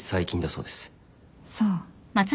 そう。